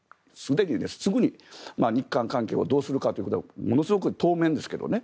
すぐに日韓関係をどうするかということはものすごく、当面ですけどね。